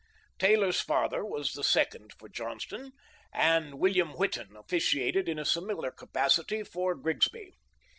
Taylor's father was the second for Johnston, and William Whitten ofSciated in a similar capacity for Grigsby.